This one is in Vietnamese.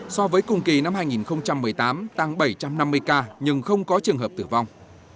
so với cùng kỳ năm hai nghìn một mươi tám tăng bảy trăm năm mươi ca nhưng không có trường hợp tử vong